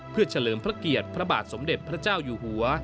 เพื่อเฉลิมพระเกียรติพระบาทสมเด็จพระเจ้าอยู่หัว